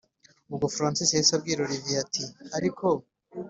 ubwo francis yahise abwira olivier ati”ariko